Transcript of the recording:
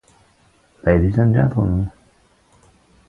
Ladies and gentlemen,